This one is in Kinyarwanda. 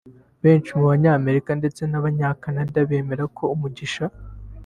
Benshi mu banyamerika ndetse n’abanya Canada bemera ko umugisha